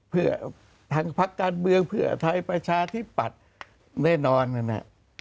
เผื่อพักการเบืองเผื่อใทยประชาทิบปัฏแน่นอนนะเนี้ย